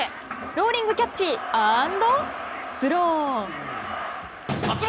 ローリングキャッチアンド、スロー。